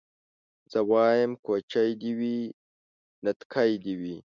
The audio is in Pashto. زه وايم کوچۍ دي وي نتکۍ دي وي